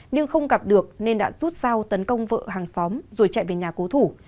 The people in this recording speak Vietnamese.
nhưng không gặp được nên đã rút dao tấn công vợ hàng xóm rồi chạy về nhà cố thủ